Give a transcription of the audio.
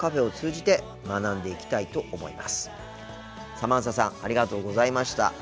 サマンサさんありがとうございました。